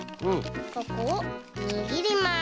ここをにぎります。